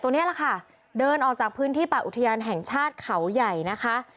นี้แหละค่ะเดินออกจากพื้นที่ป่าอุทยานแห่งชาติเขาใหญ่นะคะ